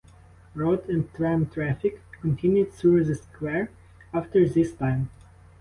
Road and tram traffic continued through the square after this time.